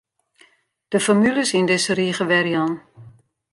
De formules yn dizze rige werjaan.